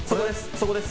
そこです。